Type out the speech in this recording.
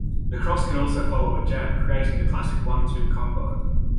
The cross can also follow a jab, creating the classic "one-two combo".